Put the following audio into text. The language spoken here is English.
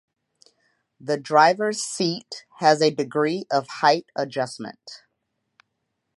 The driver's seat has a degree of height adjustment.